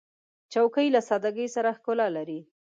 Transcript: چوکۍ له سادګۍ سره ښکلا لري.